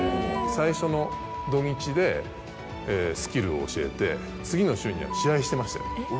最初の土・日でスキルを教えて次の週には試合してましたよ。